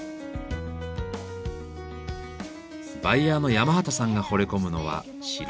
バイヤーの山端さんがほれ込むのは白い器。